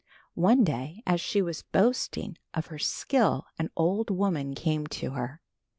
One day as she was boasting of her skill an old woman came to her.